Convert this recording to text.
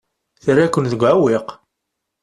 Terra-ken deg uɛewwiq.